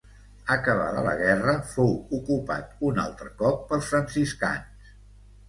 Acabada la guerra fou ocupat un altre cop pels franciscans.